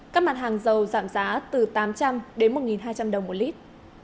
các mặt hàng dầu giảm giá từ tám trăm linh đến một hai trăm linh đồng một lít